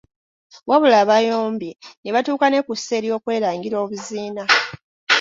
Wabula bayombye ne batuuka ne kussa ery’okwerangira obuziina.